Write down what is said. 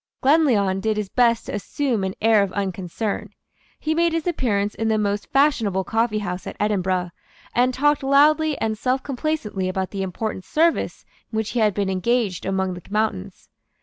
Glenlyon did his best to assume an air of unconcern. He made his appearance in the most fashionable coffeehouse at Edinburgh, and talked loudly and self complacently about the important service in which he had been engaged among the mountains.